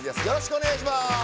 よろしくお願いします。